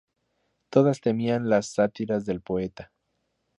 Todas temían las sátiras del poeta.